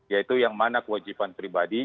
yaitu yang mana kewajiban pribadi